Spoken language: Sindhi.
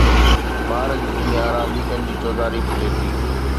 ٻار جي دنيا رانديڪن جي چوڌاري ڦري ٿي